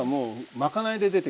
まかないで⁉はい。